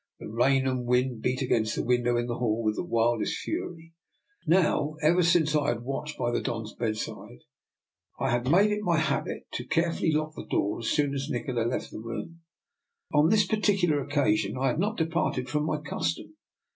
The rain and wind beat against the window in the hall with wildest fury. Now, ever since I had watched by the Don's bedside, I had made it 234 ^^ NIKOLA'S EXPERIMENT. my habit to carefully lock the door as soon as Nikola had left the room. On this particular occasion I had not departed from my custom.